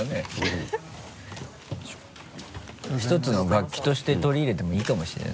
１つの楽器として取り入れてもいいかもしれない。